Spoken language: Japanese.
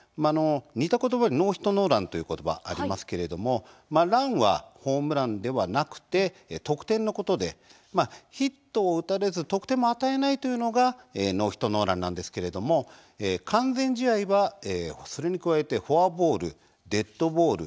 似たことばでノーヒットノーランということばありますけれどもランはホームランではなくて得点のことでヒットを打たれず得点も与えないというのが、ノーヒットノーランなんですけれども完全試合は、それに加えてフォアボール、デッドボール